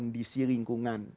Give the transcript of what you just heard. di sisi lingkungan